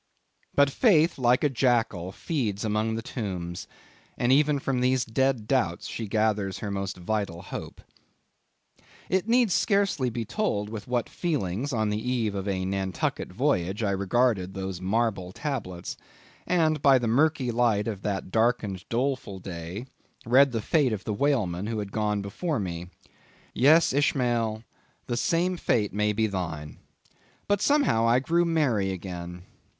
But Faith, like a jackal, feeds among the tombs, and even from these dead doubts she gathers her most vital hope. It needs scarcely to be told, with what feelings, on the eve of a Nantucket voyage, I regarded those marble tablets, and by the murky light of that darkened, doleful day read the fate of the whalemen who had gone before me. Yes, Ishmael, the same fate may be thine. But somehow I grew merry again.